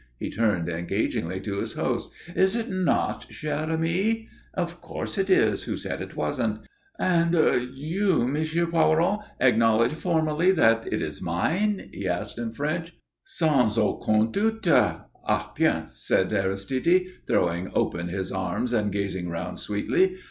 He turned engagingly to his host. "Is it not, cher ami?" "Of course it is. Who said it wasn't?" "And you, M. Poiron, acknowledge formally that it is mine," he asked, in French. "Sans aucun doute." "Eh bien," said Aristide, throwing open his arms and gazing round sweetly.